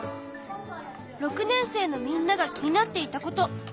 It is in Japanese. ６年生のみんなが気になっていたこと。